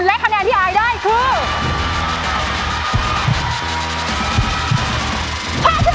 และคะแนนที่อายได้คือ